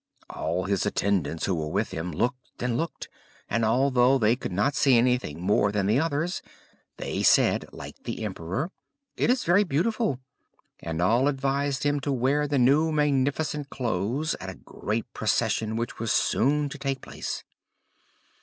All his attendants, who were with him, looked and looked, and although they could not see anything more than the others, they said, like the emperor, "It is very beautiful." And all advised him to wear the new magnificent clothes at a great procession which was soon to take place.